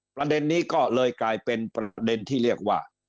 ประเด็นนี้ก็เลยกลายเป็นประเด็นที่เรียกว่า